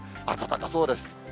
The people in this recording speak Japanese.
暖かそうです。